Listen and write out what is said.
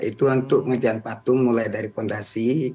itu untuk mengejar patung mulai dari fondasi